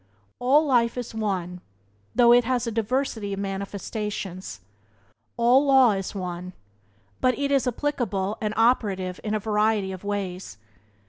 All life is one, though it has a diversity of manifestations; all law is one, but it is applicable and operative in a variety of ways.